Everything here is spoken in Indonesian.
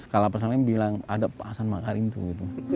kalapas lain bilang ada pak hasan makarim tuh